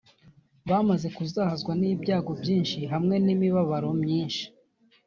bamaze kuzahazwa n’ibyago byinshi hamwe n’imibabaro myinshi,